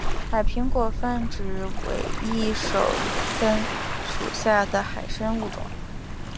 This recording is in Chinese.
海苹果泛指伪翼手参属下的海参物种。